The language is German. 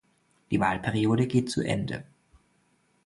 Die Wahlperiode geht zu Ende.